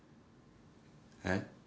えっ？